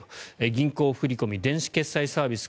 銀行振込、電子決済サービス